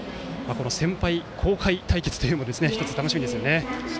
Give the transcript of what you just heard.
先輩・後輩対決というのも１つ楽しみですね。